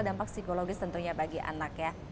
dampak psikologis tentunya bagi anak ya